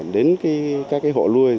đến các hộ luôi